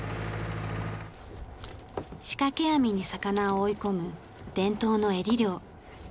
仕掛け網に魚を追い込む伝統のエリ漁。